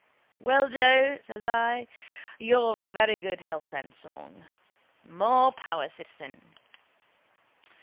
—Well, Joe, says I, your very good health and song. More power, citizen.